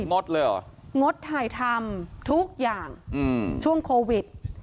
งดเลยเหรองดถ่ายทำทุกอย่างช่วงโควิด